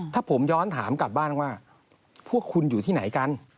ถ้าผมย้อนถามกลับบ้านว่าพวกคุณอยู่ที่ไหนกัน